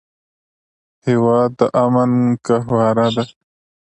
هېواد د امن ګهواره ده.